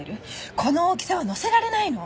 この大きさは載せられないの。